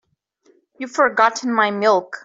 You've forgotten my milk.